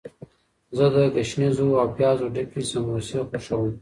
زه د ګشنیزو او پیازو ډکې سموسې خوښوم.